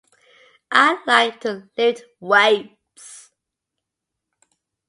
I like to lift weights